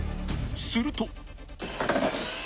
［すると］